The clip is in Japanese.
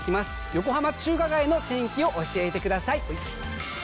横浜中華街の天気を教えてください。